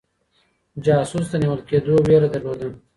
جاسوس د نيول کيدو ويره درلوده.